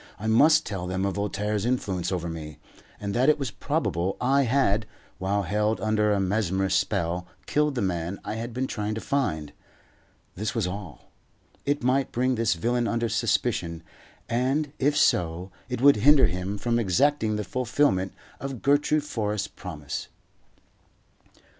I must tell them of Voltaire's influence over me, and that it was probable I had, while held under a mesmerist's spell, killed the man I had been trying to find. This was all. It might bring this villain under suspicion, and, if so, it would hinder him from exacting the fulfilment of Gertrude Forrest's promise.